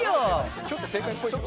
ちょっと正解っぽいけどな。